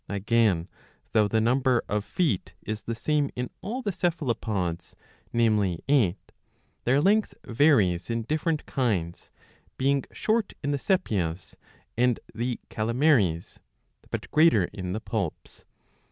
^" Again, though the number of feet is the same in all the Cephalopods, namely eight,^^ their length varies in different kinds, being short in the Sepias and the Calamaries, but greater in the Poulps.